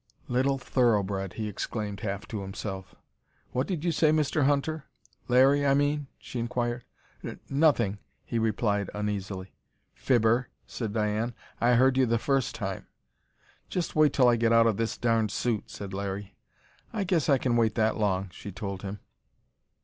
"Little thoroughbred!" he exclaimed, half to himself. "What did you say, Mr. Hunter? Larry, I mean," she inquired. "N nothing," he replied uneasily. "Fibber!" said Diane. "I heard you the first time!" "Just wait till I get out of this darned suit!" said Larry. "I guess I can wait that long!" she told him.